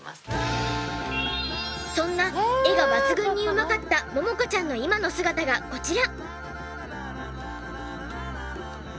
そんな絵が抜群にうまかった桃子ちゃんの今の姿がこちら。